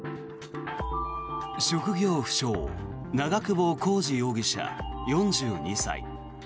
職業不詳長久保浩二容疑者、４２歳。